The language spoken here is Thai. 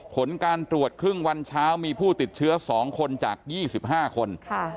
ผลการตรวจครึ่งวันเช้ามีผู้ติดเชื้อ๒คนจาก๒๕คน